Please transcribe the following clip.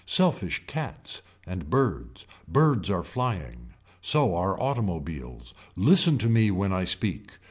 Selfish cats. And birds. Birds are flying. So are automobiles. Listen to me when I speak.